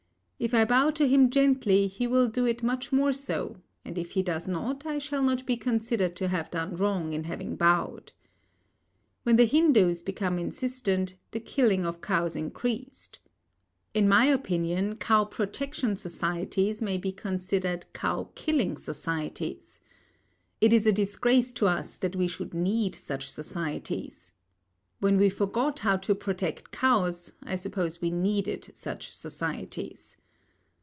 If I bow to him gently, he will do it much more so, and if he does not, I shall not be considered to have done wrong in having bowed. When the Hindus became insistent, the killing of cows increased. In my opinion, cow protection societies may be considered cow killing societies. It is a disgrace to us that we should need such societies. When we forgot how to protect cows, I suppose we needed such societies.